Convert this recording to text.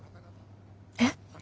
えっ？